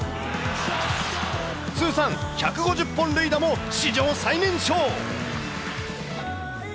通算１５０本塁打も史上最年少。